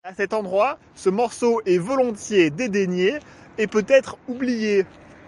À cet endroit, ce morceau est volontiers dédaigné et peut être oublié.